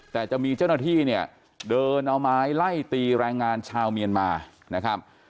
แต่จะมีเจ้าหน้าที่เนี่ยเดินเอาไม้ไล่ตีแรงงานชาวเมียนมานะครับ